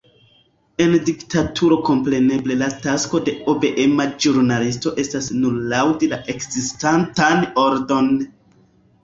En diktaturo kompreneble la tasko de obeema ĵurnalisto estas nur laŭdi la ekzistantan ordon.